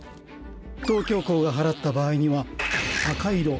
東京校が祓った場合には赤色。